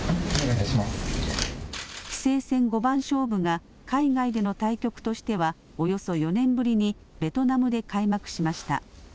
棋聖戦五番勝負が海外での対局としてはおよそ４年ぶりにベトナムで開幕しました。